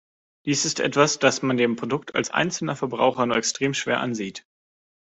Dies ist etwas, das man dem Produkt als einzelner Verbraucher nur extrem schwer ansieht.